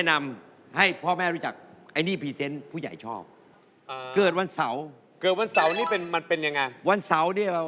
อลมมันรุนแรงขนาดนั้นเนี่ย